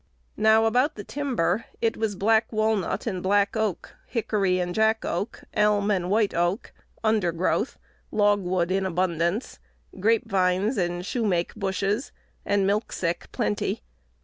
"Now about the timber: it was black walnut and black oak, hickory and jack oak, elm and white oak, undergrowth, logwood in abundance, grape vines and shoe make bushes, and milk sick plenty.